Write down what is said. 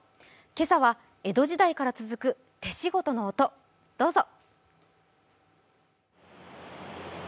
今朝は江戸時代から続く手仕事の音、どうぞ。